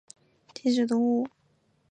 长蕊红景天为景天科红景天属的植物。